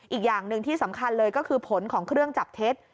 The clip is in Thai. อีกอย่างหนึ่งที่สำคัญเลยก็คือผลของเครื่องจับเท็จ